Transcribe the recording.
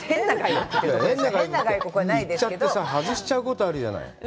言っちゃってさ、外しちゃうこと、あるじゃない。